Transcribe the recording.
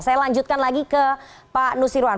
saya lanjutkan lagi ke pak nusirwan